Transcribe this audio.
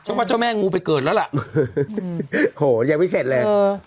ว่าเจ้าแม่งูไปเกิดแล้วล่ะโหยังไม่เสร็จเลย